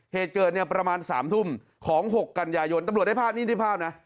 เหตุเกิดเนี่ยประมาณ๓ทุ่มของ๖กันยายนตำรวจได้ภาพนี้ได้ภาพนะ